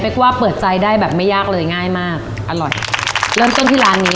ว่าเปิดใจได้แบบไม่ยากเลยง่ายมากอร่อยเริ่มต้นที่ร้านนี้